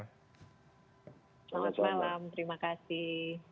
selamat malam terima kasih